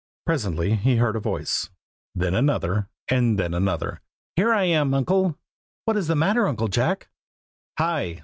Presently he heard a voice, then another, and then another. "Here I am, Uncle!" "What is the matter, Uncle Jack?" "Hi!